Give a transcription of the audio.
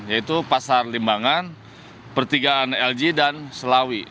yaitu pasar limbangan pertigaan lg dan selawi